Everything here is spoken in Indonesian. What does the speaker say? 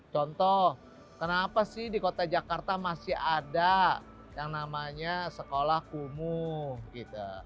contoh kenapa sih di kota jakarta masih ada yang namanya sekolah kumuh gitu